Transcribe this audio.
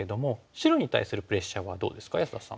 白に対するプレッシャーはどうですか安田さん。